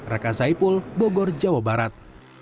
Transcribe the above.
raka zaipul bogor jawa barat